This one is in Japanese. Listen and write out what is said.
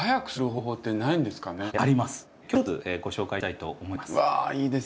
今日一つご紹介したいと思います。